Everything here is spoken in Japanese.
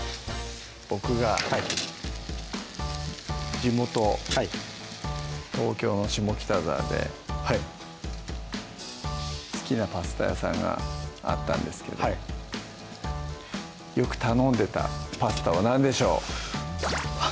僕がはい地元東京の下北沢で好きなパスタ屋さんがあったんですけどよく頼んでたパスタは何でしょう？